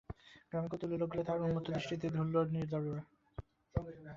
গ্রামের কৌতূহলী লোকগুলি তাহার উন্মত্ত দৃষ্টিতে ধূলির নির্জীব পুত্তলিকার মতো বোধ লইল।